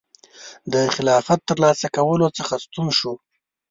د خلافت ترلاسه کولو څخه ستون شو.